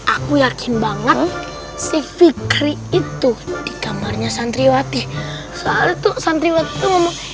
aku yakin banget si fikri itu di kamarnya santriwati soal tuh santriwati ngomong